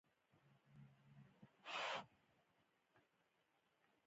هو پلاره! ډوډۍ تیاره ده.